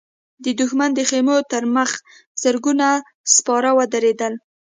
د دښمن د خيمو تر مخ زرګونه سپاره ودرېدل.